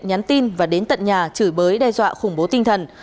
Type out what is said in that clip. nhắn tin và đến tận nhà chửi bới đe dọa khủng bố tinh thần